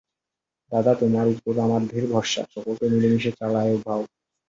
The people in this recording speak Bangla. দাদা, তোমার উপর আমার ঢের ভরসা, সকলকে মিলেমিশে চালাও ভায়া।